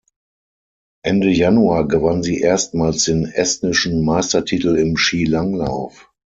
Ende Januar gewann sie erstmals den estnischen Meistertitel im Skilanglauf.